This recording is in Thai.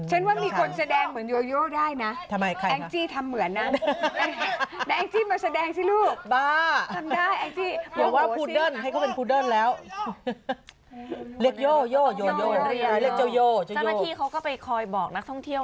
เจ้าหน้าที่เขาก็ไปช่วยบอกนักท่องเที่ยว